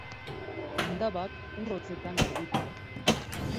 Indabak ur hotzetan garbitu.